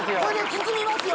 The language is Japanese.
包みますよ